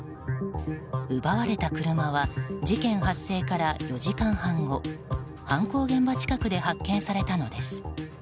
奪われた車は事件発生から４時間半後犯行現場近くで発見されたのです。